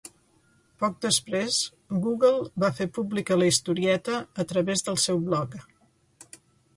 Poc després, Google va fer pública la historieta a través del seu blog.